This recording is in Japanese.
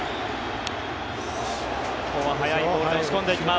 ここは速いボールで押し込んでいきます。